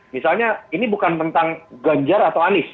misalnya ini bukan tentang ganjar atau anies